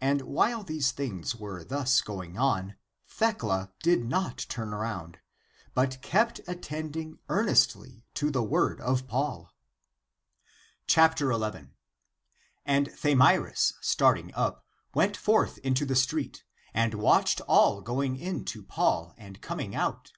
And while these things were thus going on, Thecla did not turn round, but kept attending earnestly to the word of Paul. 11. And Thamyris, starting up, went forth into the street, and watched all going in to Paul and coming out.